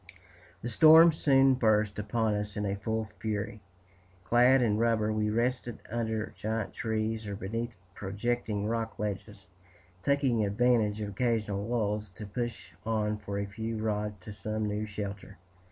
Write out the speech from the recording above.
The storm soon burst upon us in full fury. Clad in rubber, we rested under giant trees, or beneath projecting rock ledges, taking advantage of occasional lulls to push on for a few rods to some new shelter.